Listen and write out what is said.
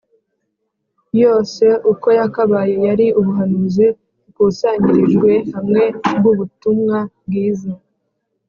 yose uko yakabaye yari ubuhanuzi bukusanyirijwe hamwe bw’ubutumwa bwiza